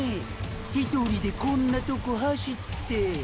１人でこんなトコ走って。